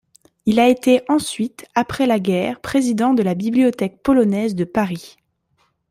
Il a été ensuite après la guerre, président de la Bibliothèque Polonaise de Paris.